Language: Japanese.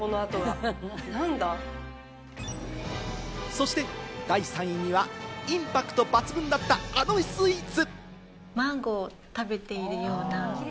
そして第３位にはインパクト抜群だったあのスイーツ。